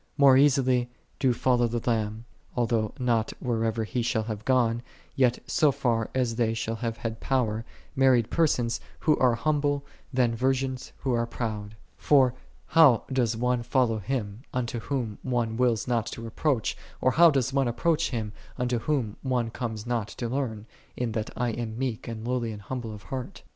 More easily do follow the Lamb, although not whithersoever He shall have gone, yet so far as they shall have had power, married persons who are humble, than virgins who are proud. For how doth one follow Him, unto Whom one wills not to approach? or how doth one approach Him, unto Whom one conies not to learn, " in that I am meek and lowly of heart